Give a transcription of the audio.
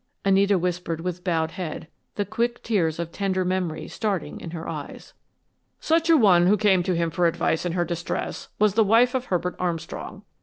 Anita whispered with bowed head, the quick tears of tender memory starting in her eyes. "Such a one who came to him for advice in her distress was the wife of Herbert Armstrong.